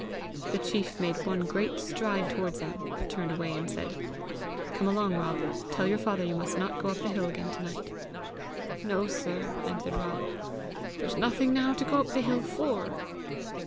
The chief made one great stride towards him, but turned away, and said, "Come along, Rob! Tell your father you must not go up the hill again to night." "No, sir," answered Rob; "there's nothing now to go up the hill for!